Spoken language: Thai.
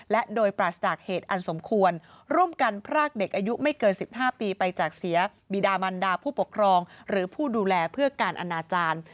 และโดยปราศจากเหตุอันสมควรร่วมกันพรากเด็กอายุไม่เกิน๑๕ปีไปจากเสียบีดามันดาผู้ปกครองหรือผู้ดูแลเพื่อการอนาจารย์